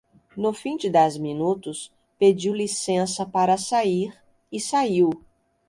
No fim de dez minutos, pediu licença para sair, e saiu.